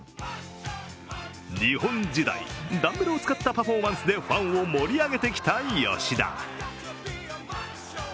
日本時代、ダンベルを使ったパフォーマンスでファンを盛り上げてきた吉田。